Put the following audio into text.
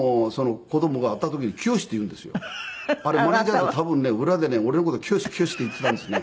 あれマネジャーが多分ね裏でね俺の事「清清」って言っていたんですね。